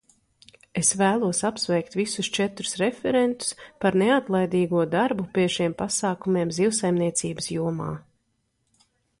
Es vēlos apsveikt visus četrus referentus par neatlaidīgo darbu pie šiem pasākumiem zivsaimniecības jomā.